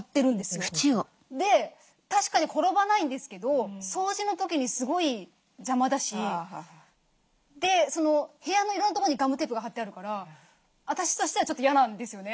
で確かに転ばないんですけど掃除の時にすごい邪魔だし部屋のいろんなとこにガムテープが貼ってあるから私としてはちょっと嫌なんですよね。